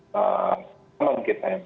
teman kita yang